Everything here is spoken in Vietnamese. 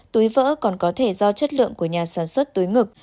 túi vỡ còn có thể do chất lượng của nhà sản xuất túi ngực